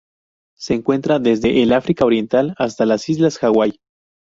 Se encuentra desde el África Oriental hasta las Islas Hawái.